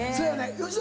吉田